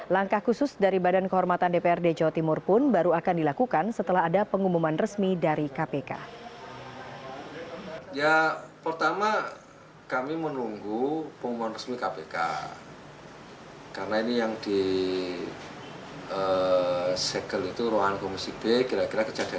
langkah khusus dari badan kehormatan dprd jawa timur pun baru akan dilakukan setelah ada pengumuman resmi dari kpk